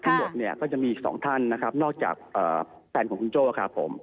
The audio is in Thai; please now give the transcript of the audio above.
ทุกทุกทีจะมีสองท่านนอกจากแฟนของคุณโจ้ครับ